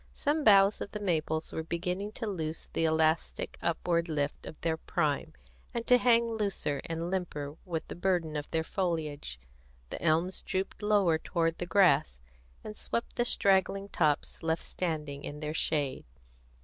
Some boughs of the maples were beginning to lose the elastic upward lift of their prime, and to hang looser and limper with the burden of their foliage. The elms drooped lower toward the grass, and swept the straggling tops left standing in their shade.